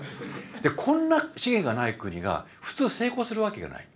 こんな資源がない国が普通成功するわけがない。